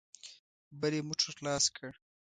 بل يې موټ ور خلاص کړ.